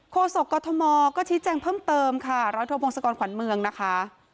โศกกรทมก็ชี้แจงเพิ่มเติมค่ะร้อยโทพงศกรขวัญเมืองนะคะ